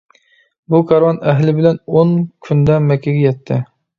بۇ كارۋان ئەھلى بىلەن ئون كۈندە مەككىگە يەتتى.